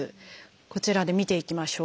こちらで見ていきましょう。